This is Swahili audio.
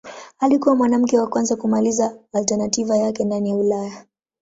Alikuwa mwanamke wa kwanza kumaliza alternativa yake ndani ya Ulaya.